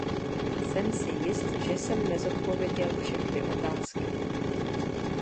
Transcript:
Jsem si jist, že jsem nezodpověděl všechny otázky.